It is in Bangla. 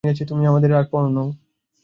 মার কাছে শুনিয়াছি, তুমি তো আমাদের পর নও।